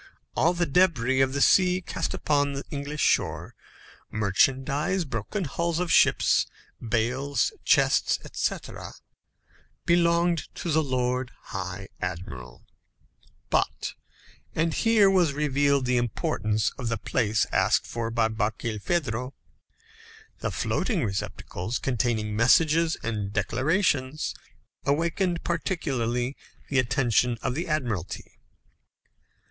All the débris of the sea cast upon the English shore merchandise, broken hulls of ships, bales, chests, etc. belonged to the Lord High Admiral; but and here was revealed the importance of the place asked for by Barkilphedro the floating receptacles containing messages and declarations awakened particularly the attention of the Admiralty.